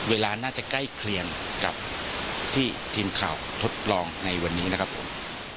เวลาน่าจะใกล้เคียงกับที่ทีมข่าวทดลองในวันนี้นะครับผม